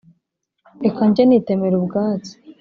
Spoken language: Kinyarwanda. Reka njye nitemera ubwatsi,